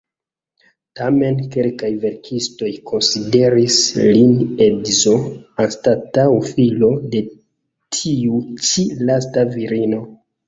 Tamen, kelkaj verkistoj konsideris lin edzo, anstataŭ filo, de tiu ĉi lasta virino.